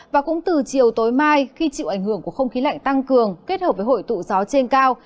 và cũng từ chiều tối mai khi chịu ảnh hưởng của không khí lạnh tăng cường kết hợp với hội tụ gió trên cao